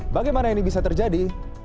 bagaimana ini bisa terjadi